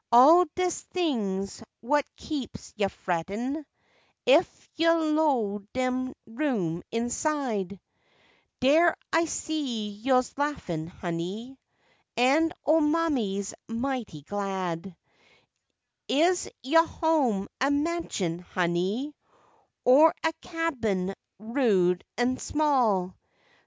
All de tings what keeps yo' frettin' Ef, yo' 'low dem room inside— Dere, I see yo's laughin', honey, An' old mammy's mighty glad, Is yo' home a mansion, honey, Or a cabin rude an' small